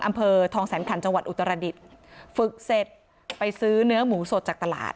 อำเภอทองแสนขันจังหวัดอุตรดิษฐ์ฝึกเสร็จไปซื้อเนื้อหมูสดจากตลาด